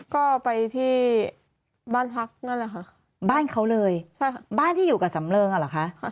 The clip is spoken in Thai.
ก็ไปที่บ้านพักนั่นแหละค่ะบ้านเขาเลยบ้านที่อยู่กับสำเริงอ่ะเหรอคะ